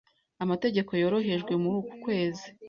amategeko yorohejwe muri uku kwezi